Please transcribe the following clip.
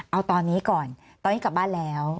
เอาตอนนี้ก่อนตอนนี้กลับบ้านแล้ว